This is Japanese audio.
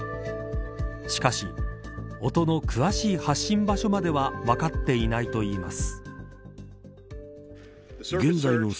しかし音の詳しい発信場所までは分かっていないといいます。